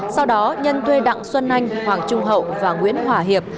sau đó nhân thuê đặng xuân anh hoàng trung hậu và nguyễn hòa hiệp